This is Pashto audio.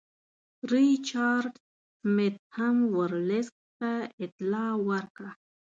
ریچارډ سمیت هم ورلسټ ته اطلاع ورکړه.